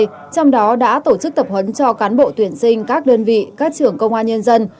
trong đó đã tổ chức tập huấn cho cán bộ tuyển sinh các đơn vị các trưởng công an nhân dân